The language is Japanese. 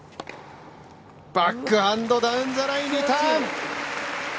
バックハンド、ダウンザライン、リターン。